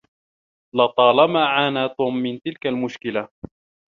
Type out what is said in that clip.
لطالما عانى توم من تلك المشكلة.